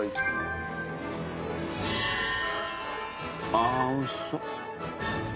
あおいしそう。